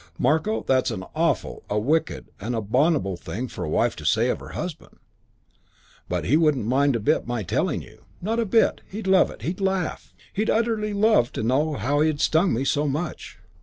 Marko, that's an awful, a wicked, an abominable thing for a wife to say of her husband. But he wouldn't mind a bit my telling you. Not a bit. He'd love it. He'd laugh. He'd utterly love to know he had stung me so much.